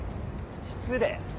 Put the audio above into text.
失礼。